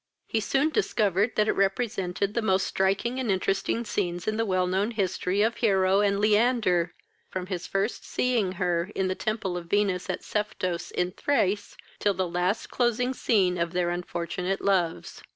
He soon discovered that it represented the most striking and interesting scenes in the well known history of Hero and Leander, from his first seeing her, in the temple of Venus, at Seftos, in Thrace, till the last closing scene of their unfortunate loves.